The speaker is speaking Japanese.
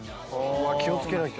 気をつけなきゃ。